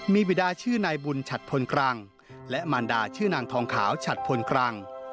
มีบิดาชื่อนายบุญฉัดพลกรังและมารดาชื่อนางทองขาวฉัดพลกรัง